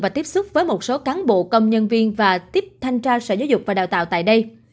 và tiếp xúc với một số cán bộ công nhân viên và tiếp thanh tra sở giáo dục và đào tạo tại đây